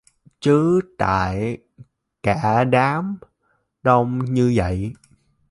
chứ tại cả đám đông như vậy